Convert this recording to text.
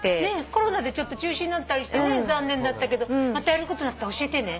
コロナで中止になったりしてね残念だったけどまたやることになったら教えてね。